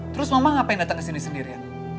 terus mama ngapain datang kesini sendirian